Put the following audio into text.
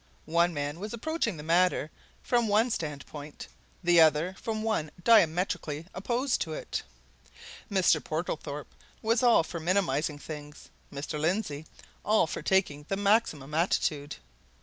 One man was approaching the matter from one standpoint; the other from one diametrically opposed to it. Mr. Portlethorpe was all for minimizing things, Mr. Lindsey all for taking the maximum attitude.